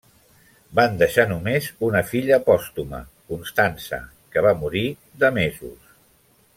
Van deixar només una filla pòstuma, Constança, que va morir de mesos.